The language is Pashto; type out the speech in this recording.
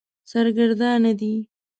سرګردانه دی.